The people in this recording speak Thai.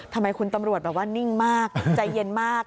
ทำไมคุณตำรวจแบบว่านิ่งมากใจเย็นมาก